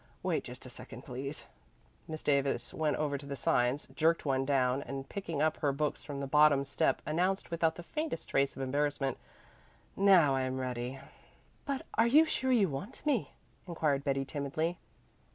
Wait just a second, please." Miss Davis went over to the signs, jerked down one, and picking up her books from the bottom step announced without the faintest trace of embarrassment, "Now I'm ready." "But are you sure you want me?" inquired Betty timidly.